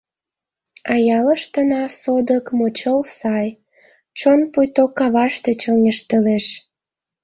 А ялыштына, содык, мочол сай, чон пуйто каваште чоҥештылеш.